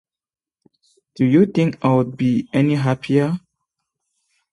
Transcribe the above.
Do you think I'd be any happier?